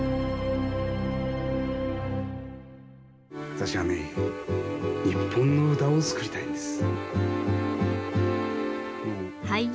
私はね日本の歌を作りたいんです。